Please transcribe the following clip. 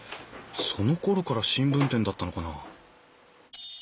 そのころから新聞店だったのかな？